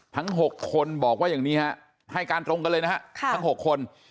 ทั้ง๖คนบอกว่าอย่างนี้ฮะให้การตรงกันเลยนะฮะทั้ง๖คน